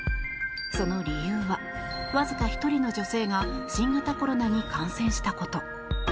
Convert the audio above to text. その理由はわずか１人の女性が新型コロナに感染したこと。